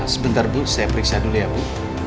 sebentar bu saya periksa dulu ya bu